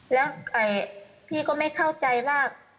แล้วพี่ก็ไม่เข้าใจว่า